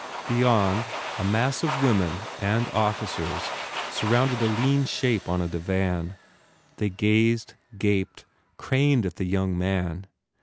Beyond, a mass of women and officers surrounded a lean shape on a divan. They gazed, gaped, craned at the young man.